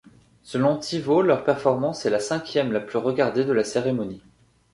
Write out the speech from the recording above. Selon TiVo, leur performance était la cinquième la plus regardée de la cérémonie.